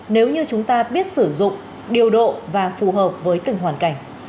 nếu như chúng ta biết sử dụng điều độ và phù hợp với từng hoàn cảnh